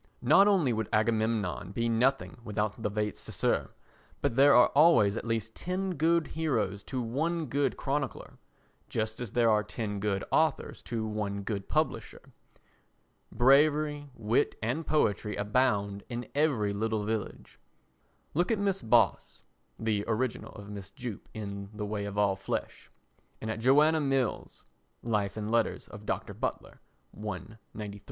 Not only would Agamemnon be nothing without the vates sacer but there are always at least ten good heroes to one good chronicler, just as there are ten good authors to one good publisher. Bravery, wit and poetry abound in every village. Look at Mrs. Boss [the original of Mrs. Jupp in The Way of All Flesh] and at Joanna Mills [Life and Letters of Dr. Butler, I, 93].